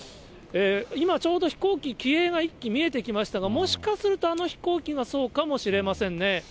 今、ちょうど飛行機、機影が１機見えてきましたが、もしかするとあの飛行機がそうかもしれませんね。